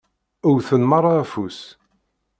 Wwten meṛṛa afus.